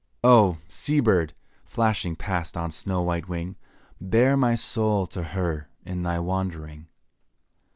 Oh! sea bird, flashing past on snow white wing, Bear my soul to her in thy wandering.